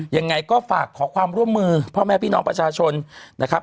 ยังไงก็ฝากขอความร่วมมือพ่อแม่พี่น้องประชาชนนะครับ